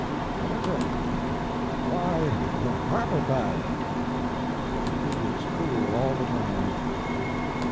"'What is it?' "Why, the carpet bag.' "He was cool all the time.